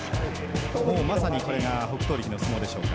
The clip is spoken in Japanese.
もう、まさにこれが北勝力の相撲でしょうか。